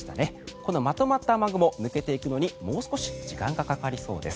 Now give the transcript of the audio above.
このまとまった雨雲抜けていくのにもう少し時間がかかりそうです。